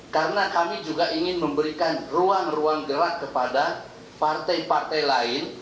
karena kami juga ingin memberikan ruang ruang gerak kepada partai partai lain